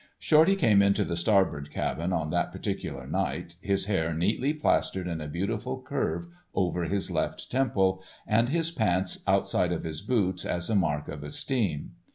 Shorty came into the Starbird cabin on that particular night, his hair neatly plastered in a beautiful curve over his left temple, and his pants outside of his boots as a mark of esteem.